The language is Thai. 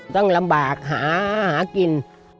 ต้องลำบากหากิน